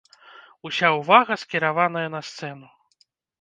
Уся ўвага скіраваная на сцэну.